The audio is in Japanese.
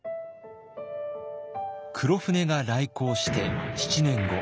黒船が来航して７年後。